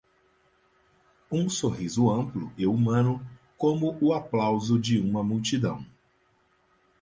um sorriso amplo e humano, como o aplauso de uma multidão.